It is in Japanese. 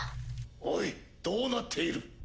おいどうなっている？